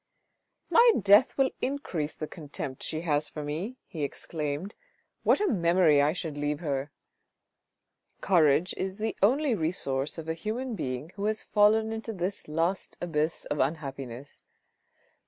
My death will increase the contempt she has for me," he exclaimed. " What a memory I should leave her." Courage is the only resource of a human being who has fallen into this last abyss of unhappiness.